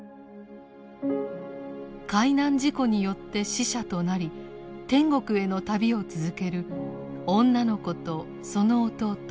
海難事故によって死者となり天国への旅を続ける女の子とその弟